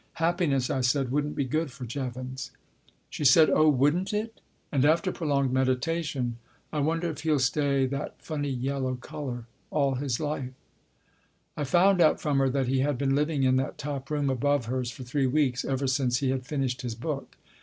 Happiness, I said, wouldn't be good for Jevons. Book I : My Book 33 She said, " Oh, wouldn't it !" And, after prolonged meditation, " I wonder if he'll stay that funny yellow colour all his life." I found out from her that he had been living in that top room above hers for three weeks ever since he had finished his book.